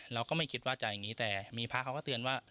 เราก็ไม่คิดว่าจะอย่างนี้แต่มีพระเขาก็เตือนว่า